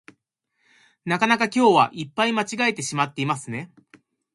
なかなか今日はいっぱい間違えてしまっていますね